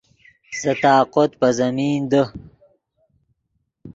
سے طاقوت پے زمین دے